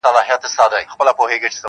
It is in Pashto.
• خو خدای دي وکړي چي -